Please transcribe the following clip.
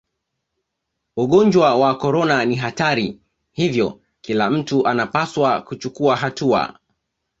ugonjwa wa korona ni hatari hivyo kila mtu anapasa kuchukua hatua